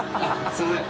すみません